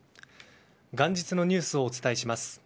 元日のニュースをお伝えします。